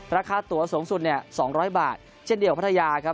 ราคาตัวสูงสุด๒๐๐บาทเช่นเดียวพัทยาครับ